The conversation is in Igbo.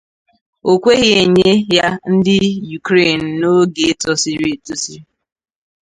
O kweghị enye ya ndị Yukren n'oge tosiri etosi